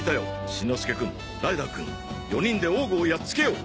しんのすけくんライダーくん４人でオーグをやっつけよう！